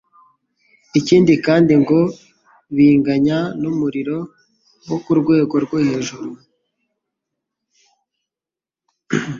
Ikindi kandi ngo biganya n'umuriro wo ku rwego rwo hejuru.